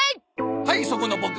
はいそこのボク。